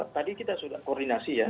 tadi kita sudah koordinasi ya